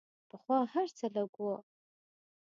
پخوا هر څه لږ وو.